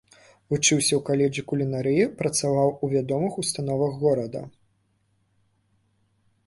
Вучыўся ў каледжы кулінарыі, працаваў у вядомых установах горада.